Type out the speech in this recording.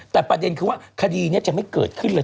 แต่ประเด็นคือว่าคดีนี้จะไม่เกิดขึ้นเลย